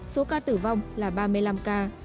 số ca tử vong là ba mươi năm ca